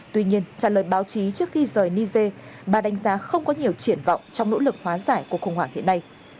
tuy nhiên trả lời báo chí trước khi rời niger bà đánh giá không có nhiều triển vọng trong nỗ lực hóa giải cuộc khủng hoảng hiện nay